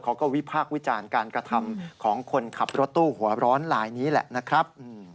วิพากษ์วิจารณ์การกระทำของคนขับรถตู้หัวร้อนลายนี้แหละนะครับ